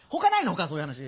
他そういう話。